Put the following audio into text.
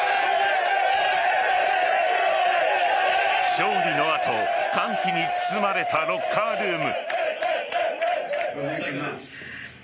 勝利の後歓喜に包まれたロッカールーム。